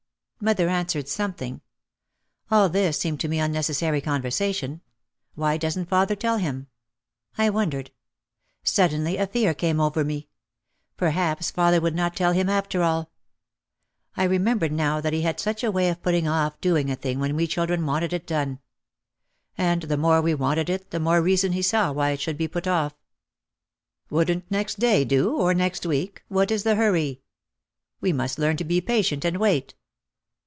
Mother answered something. All this seemed to me un necessary conversation. "Why doesn't father tell him?" I wondered. Suddenly a fear came over me. Perhaps father would not tell him after all. I remembered now that he had such a way of putting off doing a thing when we children wanted it done. And the more we wanted it the more reason he saw why it should be put off. "Wouldn't next day do or next week, what is the hurry? We must learn to be patient and wait."